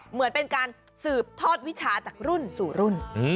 เหมือนเป็นการสืบทอดวิชาจากรุ่นสู่รุ่น